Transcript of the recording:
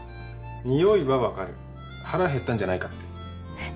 匂いは分かる腹減ったんじゃないかってえっ？